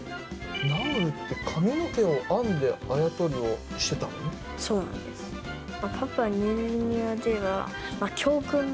ナウルって、髪の毛を編んで、あや取りをしてたの？